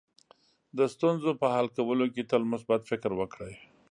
د ستونزو په حل کولو کې تل مثبت فکر وکړئ.